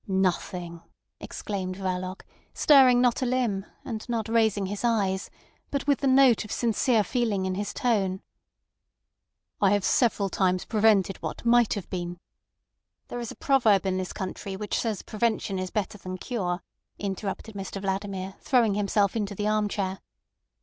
"Nothing!" exclaimed Verloc, stirring not a limb, and not raising his eyes, but with the note of sincere feeling in his tone. "I have several times prevented what might have been—" "There is a proverb in this country which says prevention is better than cure," interrupted Mr Vladimir, throwing himself into the arm chair.